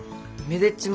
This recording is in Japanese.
めでっち